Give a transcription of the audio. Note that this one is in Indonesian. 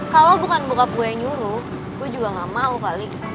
kalo bukan bokap gue yang nyuruh gue juga gak malu kali